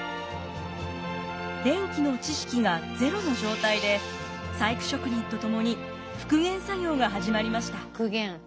電気の知識がゼロの状態で細工職人と共に復元作業が始まりました。